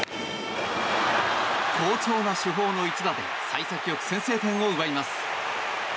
好調な主砲の一打で幸先よく先制点を奪います。